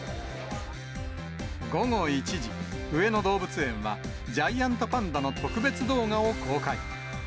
午後１時、上野動物園は、ジャイアントパンダの特別動画を公開。